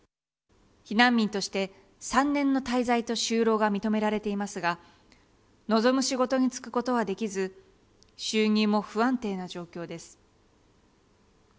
避難民として３年の滞在と就労が認められていますが望む仕事に就くことはできず収入も不安定な状況です。